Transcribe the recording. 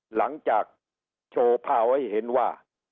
หลังจากโชว์ผ้าไว้เห็นว่า